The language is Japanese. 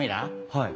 はい。